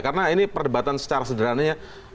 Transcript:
karena ini perdebatan secara sederhananya